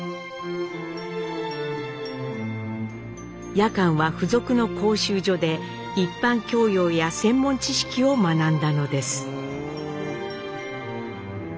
夜間は付属の講習所で一般教養や専門知識を学んだのです。